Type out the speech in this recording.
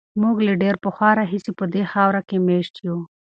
موږ له ډېر پخوا راهیسې په دې خاوره کې مېشت یو.